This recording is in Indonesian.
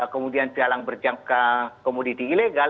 kemudian jalan berjangka komoditi ilegal